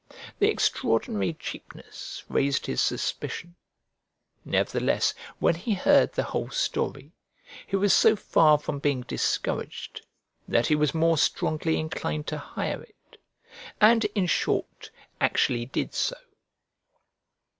The extraordinary cheapness raised his suspicion; nevertheless, when he heard the whole story, he was so far from being discouraged that he was more strongly inclined to hire it, and, in short, actually did so.